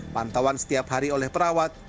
pantauan setiap hari oleh perawat